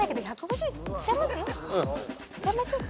うん。いっちゃいましょうか。